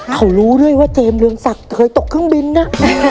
เขารู้ด้วยว่าเจมสเรืองศักดิ์เคยตกเครื่องบินนะ